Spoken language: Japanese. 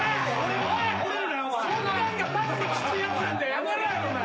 やめろよお前。